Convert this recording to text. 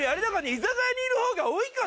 居酒屋にいるほうが多いかんね！